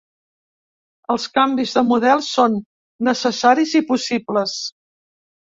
Els canvis de model són necessaris i possibles.